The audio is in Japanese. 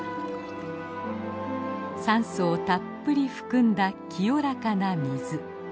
酸素をたっぷり含んだ清らかな水。